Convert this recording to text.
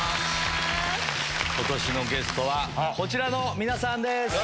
今年のゲストはこちらの皆さんです。